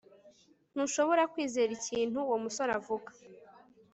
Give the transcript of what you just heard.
Ntushobora kwizera ikintu uwo musore avuga